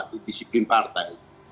di disipin partai